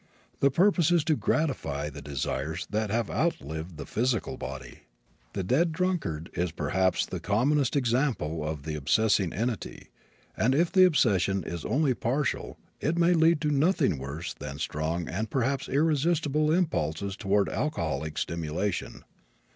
The purpose is to gratify desires that have outlived the physical body. The dead drunkard is perhaps the commonest example of the obsessing entity, and if the obsession is only partial it may lead to nothing worse than strong and perhaps irresistible impulses toward alcoholic stimulation.